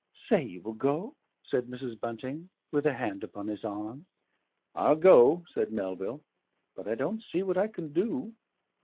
"Say you will go?" said Mrs. Bunting, with a hand upon his arm. "I'll go," said Melville, "but I don't see what I can do!"